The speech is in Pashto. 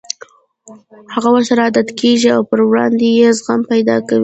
هغه ورسره عادت کېږي او پر وړاندې يې زغم پيدا کوي.